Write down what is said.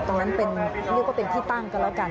ตรงนั้นเป็นเรียกว่าเป็นที่ตั้งกันแล้วกัน